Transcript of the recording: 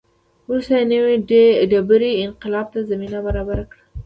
وروسته یې نوې ډبرې انقلاب ته زمینه برابره کړه.